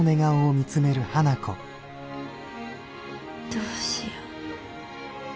どうしよう。